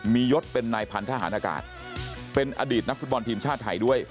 มียศเป็นนายพันธหารอากาศเป็นอดีตนักฟุตบอลทีมชาติไทยด้วย